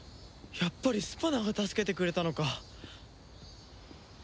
やっぱりスパナが助けてくれたのか。